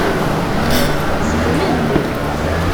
Zedmen-d.